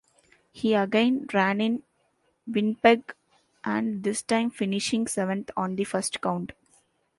He again ran in Winnipeg, and this time finishing seventh on the first count.